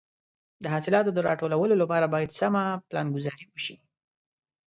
د حاصلاتو د راټولولو لپاره باید سمه پلانګذاري وشي.